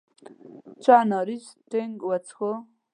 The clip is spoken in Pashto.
چا اناري سټینګ وڅښو.